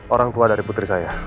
orang tua dari putri saya